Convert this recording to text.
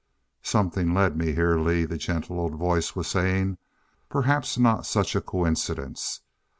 "And Something led me here, Lee," the gentle old voice was saying. "Perhaps not such a coincidence.